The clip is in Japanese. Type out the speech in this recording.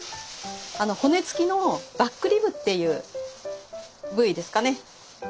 骨付きのバックリブっていう部位ですかね。